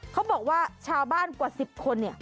เขาบอกว่าชาวบ้านกว่า๑๐คนเนี่ย